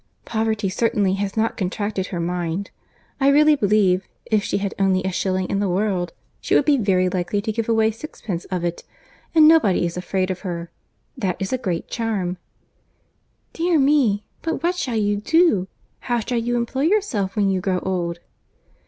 Poverty certainly has not contracted her mind: I really believe, if she had only a shilling in the world, she would be very likely to give away sixpence of it; and nobody is afraid of her: that is a great charm." "Dear me! but what shall you do? how shall you employ yourself when you grow old?"